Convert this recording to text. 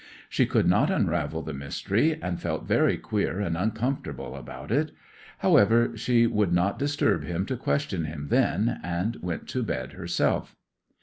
She could not unravel the mystery, and felt very queer and uncomfortable about it. However, she would not disturb him to question him then, and went to bed herself.